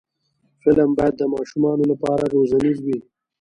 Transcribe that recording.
فلم باید د ماشومانو لپاره روزنیز وي